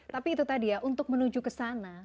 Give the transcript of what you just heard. tapi itu tadi ya untuk menuju kesana